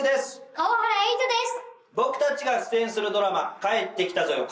川原瑛都です。